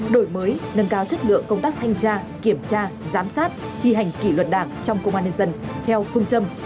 đổi mới nâng cao chất lượng công tác thanh tra kiểm tra giám sát thi hành kỷ luật đảng trong công an nhân dân theo phương châm